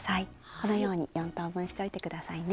このように４等分しといて下さいね。